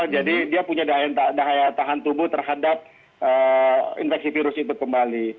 dia punya daya tahan tubuh terhadap infeksi virus itu kembali